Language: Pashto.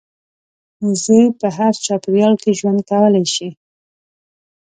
وزې په هر چاپېریال کې ژوند کولی شي